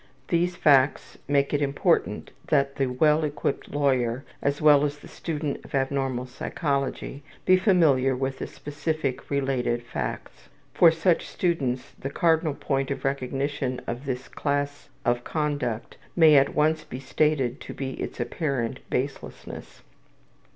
These facts make it important that the well equipped lawyer, as well as the student of abnormal psychology, be familiar with the specific, related facts. For such students the cardinal point of recognition of this class of conduct may at once be stated to be its apparent baselessness.